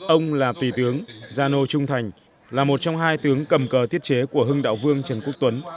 ông là tùy tướng gia nô trung thành là một trong hai tướng cầm cờ thiết chế của hưng đạo vương trần quốc tuấn